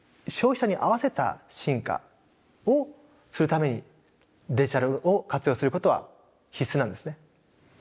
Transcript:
消費者に合わせた進化をするためにデジタルを活用することは必須なんですね。